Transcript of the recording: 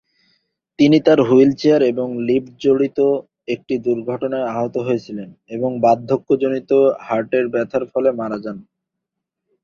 তিনি তাঁর হুইলচেয়ার এবং লিফট জড়িত একটি ছোট্ট দুর্ঘটনায় আহত হয়েছিলেন এবং বার্ধক্যজনিত হার্টের ব্যর্থতার ফলে মারা যান।